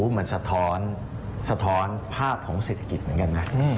มันสะท้อนภาพของเศรษฐกิจเหมือนกัน